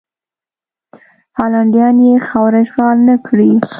هالنډیان یې خاوره اشغال نه کړي.